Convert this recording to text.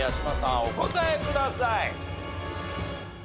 お答えください。